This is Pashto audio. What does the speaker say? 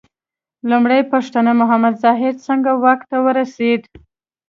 لومړۍ پوښتنه: محمد ظاهر څنګه واک ته ورسېد؟